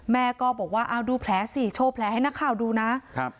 แม่ก็บอกว่าเอาดูแผลสิโชว์แผลให้นักข่าวดูนะครับ